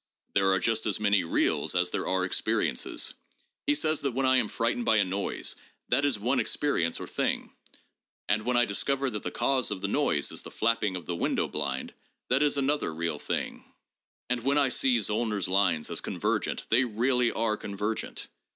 There are just as many reals as there are experiences. He says that when I am frightened by a noise, that is one experience or 'thing,' and when I discover that the cause of the noise is the flapping of the window blind, that is another real thing. And when I see Zollner's lines as convergent they really are convergent.